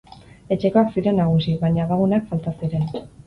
Etxekoak ziren nagusi, baina abaguneak falta ziren.